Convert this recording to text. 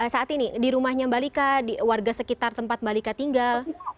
saat ini di rumahnya mbak lika warga sekitar tempat mbak lika tinggal